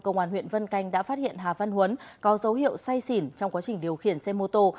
công an huyện vân canh đã phát hiện hà văn huấn có dấu hiệu say xỉn trong quá trình điều khiển xe mô tô